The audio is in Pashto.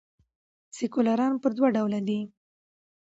سیکولران پر دوه ډوله دي.